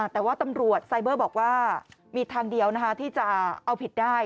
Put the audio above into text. แต่ว่าตำรวจไซเบอร์บอกว่ามีทางเดียวที่จะเอาผิดได้